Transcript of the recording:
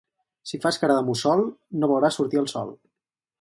Si fas cara de mussol, no veuràs sortir el sol.